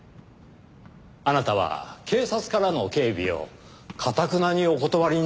あなたは警察からの警備をかたくなにお断りになったとか。